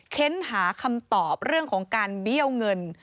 ้นหาคำตอบเรื่องของการเบี้ยวเงิน